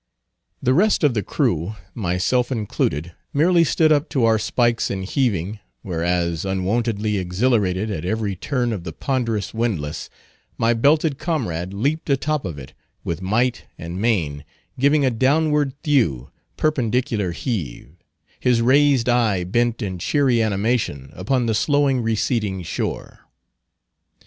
The rest of the crew, myself included, merely stood up to our spikes in heaving, whereas, unwontedly exhilarated, at every turn of the ponderous windlass, my belted comrade leaped atop of it, with might and main giving a downward, thewey, perpendicular heave, his raised eye bent in cheery animation upon the slowly receding shore.